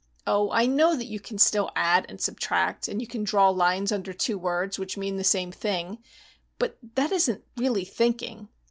Oh, I know that you can still add and subtract, and you can draw lines under two words which mean the same thing, but that isn't really thinking.